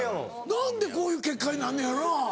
何でこういう結果になんのやろな？